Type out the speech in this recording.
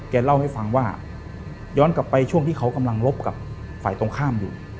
เล่าให้ฟังว่าย้อนกลับไปช่วงที่เขากำลังรบกับฝ่ายตรงข้ามอยู่